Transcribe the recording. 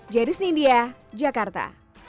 jeris nidia jakarta